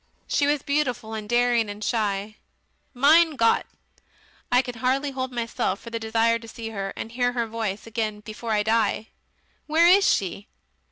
"She was beautiful and daring and shy, Mein Gott! I can hardly hold myself for the desire to see her and hear her voice again before I die. Where is she?...